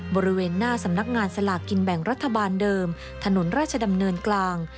บริเวณหน้าสำนักงานสลากกินแบ่งรัฐบาลเดิมถนนราชดำเนินกลาง